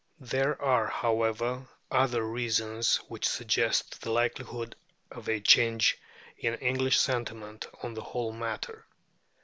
There are, however, other reasons which suggest the likelihood of a change in English sentiment on the whole matter.